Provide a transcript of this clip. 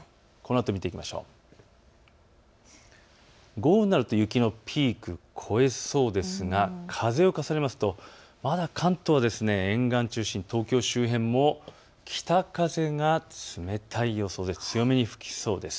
午後になると雪のピーク、越えそうですが風を重ねますとまだ関東沿岸を中心に東京周辺も北風が冷たい予想で強めに吹きそうです。